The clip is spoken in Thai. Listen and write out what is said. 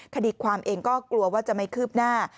คดีความเองก็กลัวว่าจะไม่คืบหน้า